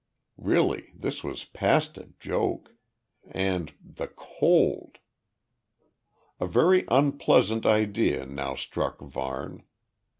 Really, this was past a joke. And the cold! A very unpleasant idea now struck Varne.